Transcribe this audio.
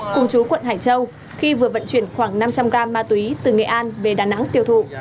cùng chú quận hải châu khi vừa vận chuyển khoảng năm trăm linh gram ma túy từ nghệ an về đà nẵng tiêu thụ